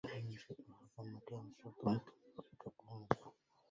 ما من شيء آخر بإمكان الشّرطة أن تقوم به.